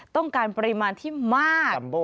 ต้องการปริมาณที่มาก